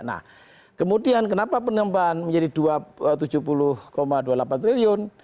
nah kemudian kenapa penambahan menjadi rp tujuh puluh dua puluh delapan triliun